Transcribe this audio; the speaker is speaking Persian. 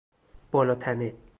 بالاتنه